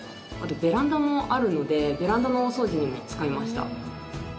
ベランダもあるのでベランダのお掃除にも使いました。